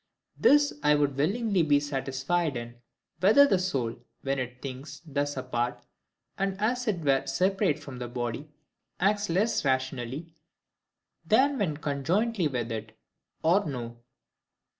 This I would willingly be satisfied in,—whether the soul, when it thinks thus apart, and as it were separate from the body, acts less rationally than when conjointly with it, or no.